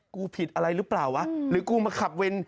กูผิดอะไรรึเปล่าวะหรือกูมาขับวิน